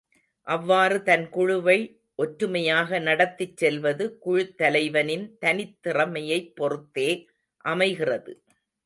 அவ்வாறு தன் குழுவை ஒற்றுமையாக நடத்திச் செல்வது குழுத் தலைவனின் தனித்திறமையைப் பொறுத்தே அமைகிறது.